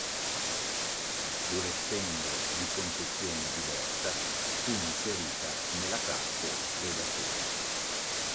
Pur essendo di concezione diversa, fu inserita nella classe Predatori.